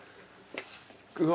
うわ。